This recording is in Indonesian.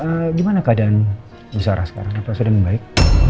pak surya gimana keadaan bisara sekarang apa sudah membaik